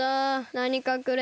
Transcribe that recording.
なにかくれ。